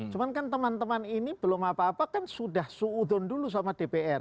cuma kan teman teman ini belum apa apa kan sudah suudon dulu sama dpr